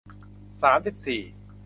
สามสิบสี่